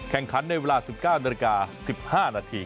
แข่งขันในเวลา๑๙นาฬิกา๑๕นาที